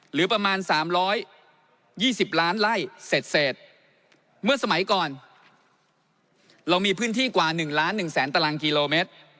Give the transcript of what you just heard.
หรือประมาณ๓๒๐ล้านไล่เสร็จ